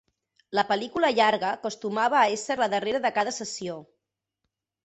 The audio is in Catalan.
La pel·lícula llarga acostumava a ésser la darrera de cada sessió.